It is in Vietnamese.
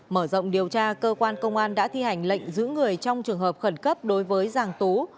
mở rộng điều tra cơ quan công an đã thi hành lệnh giữ người trong trường hợp khẩn cấp đối với giàng tú